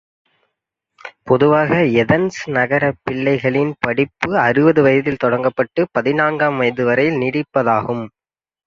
பொதுவாக ஏதென்ஸ் நகரப் பிள்ளேகளின் படிப்பு ஆருவது வயதில் தொடங்கப்பட்டு பதின்காம் வயது வரையில் நீடிப்பதாகும்.